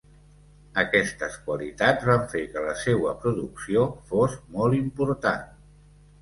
Aquestes qualitats van fer que la seua producció fos molt important.